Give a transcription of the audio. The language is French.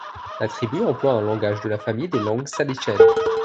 La tribu emploie un langage de la famille des langues salishennes.